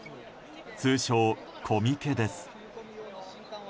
通称コミケです。